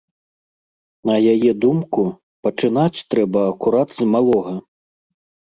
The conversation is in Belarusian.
На яе думку, пачынаць трэба акурат з малога.